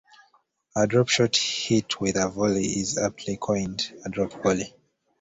A drop shot hit with a volley is aptly coined a "drop volley".